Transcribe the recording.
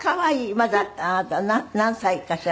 まだあなた何歳かしら？